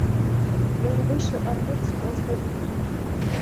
Ён выйшаў адтуль з позвай у суд.